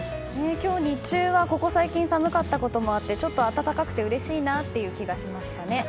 今日、日中はここ最近寒かったこともあってちょっと暖かくてうれしい気がしました。